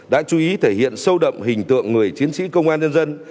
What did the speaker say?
đã chú ý thể hiện sâu đậm hình tượng người chiến sĩ công an nhân dân